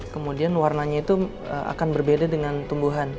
kemudian warnanya itu akan berbeda dengan tumbuhan